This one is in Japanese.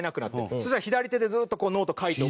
そしたら左手でずーっとノート書いて覚える。